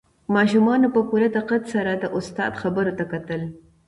ماشومانو په پوره دقت سره د استاد خبرو ته کتل.